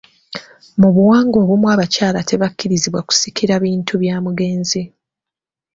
Mu buwangwa obumu abakyala tebakkirizibwa kusikira bintu bya mugenzi.